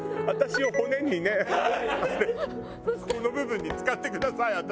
私を骨にねこの部分に使ってください。